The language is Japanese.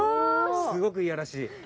すごくいやらしい。